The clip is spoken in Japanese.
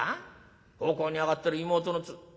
奉公に上がってる妹のつ。